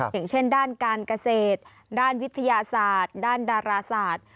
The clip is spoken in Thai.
อย่างเช่นด้านการเกษตรด้านวิทยาศาสตร์ด้านดาราศาสตร์